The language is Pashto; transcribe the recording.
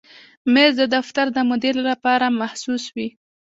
مېز د دفتر د مدیر لپاره مخصوص وي.